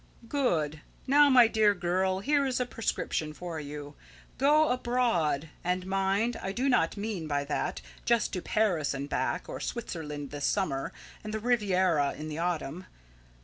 "Good! Now, my dear girl, here is a prescription for you. Go abroad. And, mind, I do not mean by that, just to Paris and back, or Switzerland this summer, and the Riviera in the autumn.